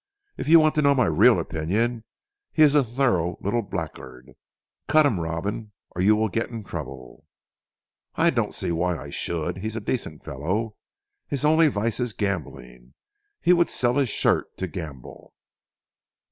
"If you want to know my real opinion, he is a thorough little blackguard. Cut him Robin, or you will get into trouble." "I don't see why I should. He is a decent fellow. His only vice is gambling. He would sell his shirt to gamble."